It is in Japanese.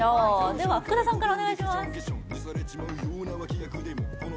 では、福田さんからお願いします。